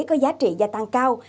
có giá trị gia tăng cao